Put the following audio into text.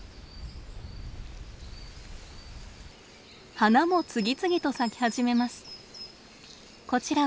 花も次々と咲き始めます。